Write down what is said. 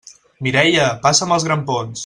Mireia, passa'm els grampons!